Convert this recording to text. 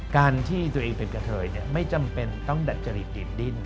การที่ตัวเองเป็นกะเทยไม่จำเป็นต้องดัดจริตกรีดดิ้น